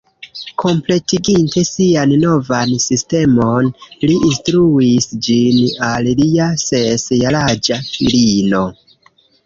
Kompletiginte sian novan sistemon, li instruis ĝin al lia ses jaraĝa filino